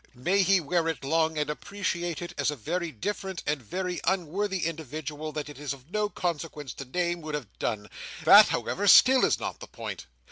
May he wear it long, and appreciate it, as a very different, and very unworthy individual, that it is of no consequence to name, would have done! That, however, still, is not the point.